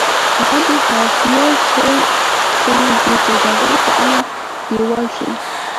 هغه د هارډویر هیکر سره د سوداګرۍ په اړه لیواله شو